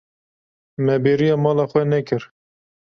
Me bêriya mala xwe nekir.